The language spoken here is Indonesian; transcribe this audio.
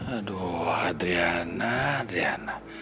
aduh adriana adriana